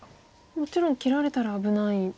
もちろん切られたら危ないので。